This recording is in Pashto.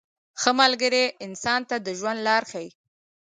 • ښه ملګری انسان ته د ژوند لاره ښیي.